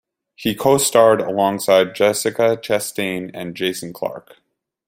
He co-starred alongside Jessica Chastain and Jason Clarke.